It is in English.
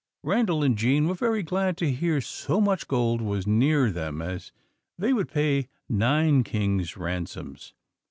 '" Randal and Jean were very glad to hear so much gold was near them as would pay nine kings' ransoms.